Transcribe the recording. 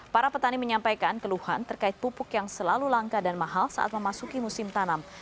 para petani menyampaikan keluhan terkait pupuk yang selalu langka dan mahal saat memasuki musim tanam